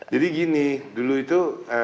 jadi gini dulu itu